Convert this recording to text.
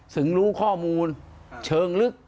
รู้ข้อมูลเชิงลึก